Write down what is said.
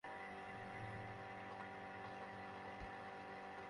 যেকোন সময় বন্ধু, আমি কারণগুলো বুঝে যাই।